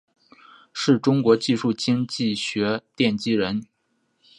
是中国技术经济学奠基人。